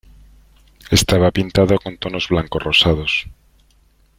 Estaba pintado con tonos blanco-rosados.